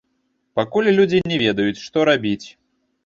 Пакуль людзі не ведаюць, што рабіць.